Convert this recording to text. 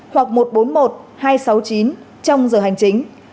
hoặc một trăm bốn mươi một hai trăm sáu mươi chín trong giờ hành chính